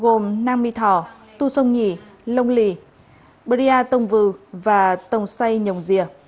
gồm nam my thỏ tu sông nhì lông lì bria tông vư và tông xây nhồng dìa